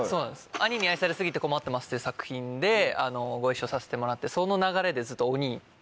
『兄に愛されすぎて困ってます』っていう作品でご一緒させてもらってその流れでずっと「お兄」って。